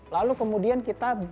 lalu kemudian kita bisa melihatnya